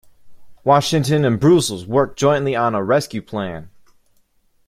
Washington and Brussels worked jointly on a rescue plan.